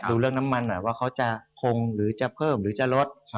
ดูเรื่องน้ำมันหน่อยว่าเขาจะคงหรือจะเพิ่มหรือจะลด